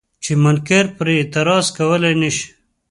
چې منکر پرې اعتراض کولی نه شي.